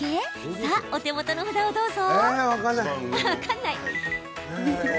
さあ、お手元の札をどうぞ。